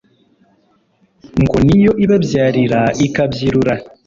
Ngo ni yo ibabyarira ikabyirura.